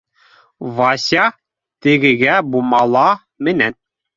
Вася тегегә бумала менән